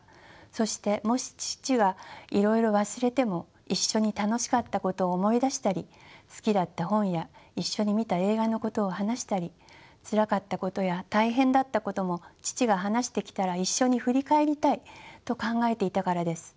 そしてもし父はいろいろ忘れても一緒に楽しかったことを思い出したり好きだった本や一緒に見た映画のことを話したりつらかったことや大変だったことも父が話してきたら一緒に振り返りたいと考えていたからです。